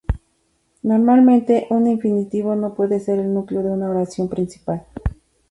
Normalmente un infinitivo no puede ser el núcleo de una oración principal.